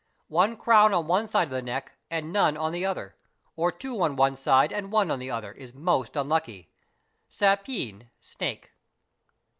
One crown on one side of the neck and none on the other, or two on one side and one on the other side is most unlucky, (sépeen== snake).